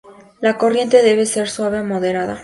La corriente debe ser de suave a moderada.